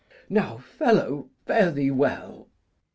Now, fellow, fare thee well.